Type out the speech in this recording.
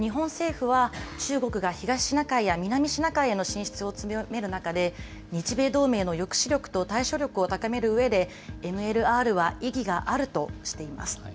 また、日本政府は、中国が東シナ海や南シナ海への進出を強める中で、日米同盟の抑止力と対処力を高めるうえで、ＭＬＲは意義があるとしています。